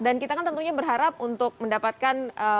dan kita kan tentunya berharap untuk mendapatkan